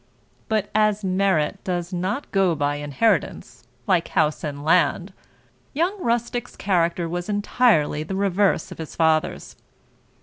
But as merit does not go by inheritance, like house and land, young Rustick's character was entirely the reverse of his father's.